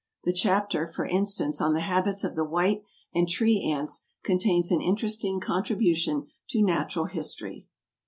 The chapter, for instance, on the habits of the white and tree ants contains an interesting contribution to natural history.